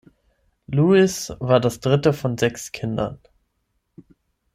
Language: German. Louis war das dritte von sechs Kindern.